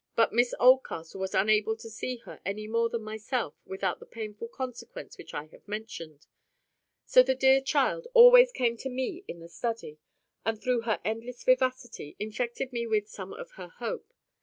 But Miss Oldcastle was unable to see her any more than myself without the painful consequence which I have mentioned. So the dear child always came to me in the study, and through her endless vivacity infected me with some of her hope.